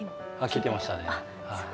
聴いてましたね。